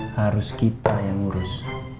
harus kita yang ngurus